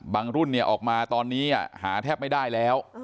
รุ่นออกมาตอนนี้หาแทบไม่ได้แล้ว